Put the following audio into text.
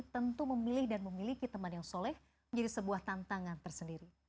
tentu memilih dan memiliki teman yang soleh menjadi sebuah tantangan tersendiri